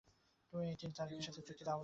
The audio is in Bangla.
তিনি তারিকের সাথে চুক্তিতে আবদ্ধ হন।